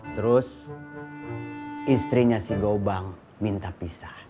terus istrinya si gobang minta pisah